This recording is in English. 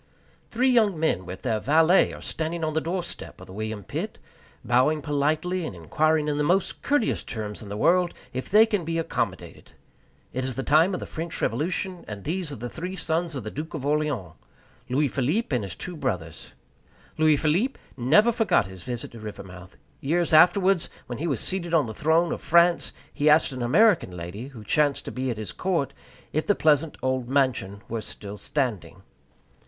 Three young men, with their valet, are standing on the doorstep of the William Pitt, bowing politely, and inquiring in the most courteous terms in the world if they can be accommodated. It is the time of the French Revolution, and these are three sons of the Duke of Orleans Louis Philippe and his two brothers. Louis Philippe never forgot his visit to Rivermouth. Years afterwards, when he was seated on the throne of France, he asked an American lady, who chanced to be at his court, if the pleasant old mansion were still standing.